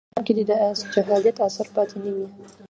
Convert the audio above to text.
په دې جهان کې د جاهلیت اثر پاتې نه وي.